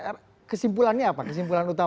karena kesimpulannya apa kesimpulan utama